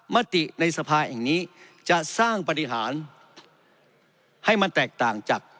มติในสภาแห่งนี้จะสร้างปฏิหารให้มันแตกต่างจาก